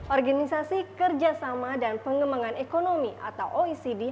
organisasi kerjasama dan pengembangan ekonomi atau oecd